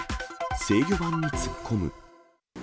制御盤に突っ込む。